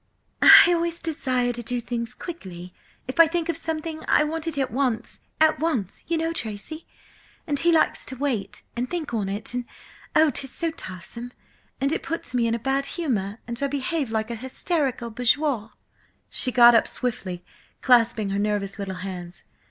"I always desire to do things quickly–if I think of something, I want it at once–at once! You know, Tracy! And he likes to wait and think on it, and–oh, 'tis so tiresome, and it puts me in a bad humour, and I behave like a hysterical bourgeoise!" She got up swiftly, clasping her nervous little hands.